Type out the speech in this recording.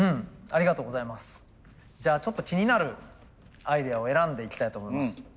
じゃあちょっと気になるアイデアを選んでいきたいと思います。